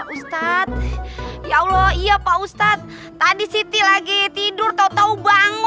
answer ayolah ya mosquitoes kamu ti yapa ustadz tadi sitih lagi tidur tau tau bangun